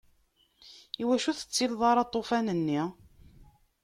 Iwacu ur tettileḍ ara aṭufan-nni?